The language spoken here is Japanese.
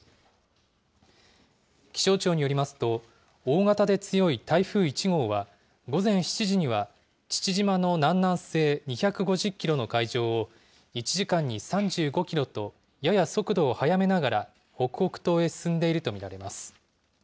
気象庁によりますと、大型で強い台風１号は、午前７時には父島の南南西２５０キロの海上を１時間に３５キロとやや速度を速めながら、北北東へ進んでいると見られます。